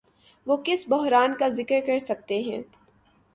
وہ کس بحران کا ذکر کرسکتے ہیں؟